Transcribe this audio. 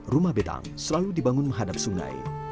rumah betang selalu dibangun menghadap sungai